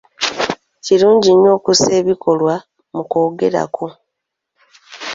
Kirungi nnyo okussa ebikolwa mu kwogera kwo.